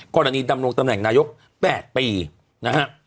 กรณีดำรงตำแหน่งนายก๘ปีนะฮะ